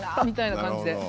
みたいな感じで。